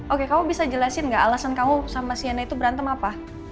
oke kamu bisa jelasin nggak alasan kamu sama siana itu berantem apa